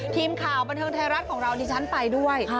ทีมข่าวบันเทิงไทยรัฐของเราดิฉันไปด้วย